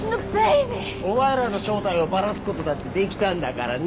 お前らの正体をバラすことだってできたんだからね。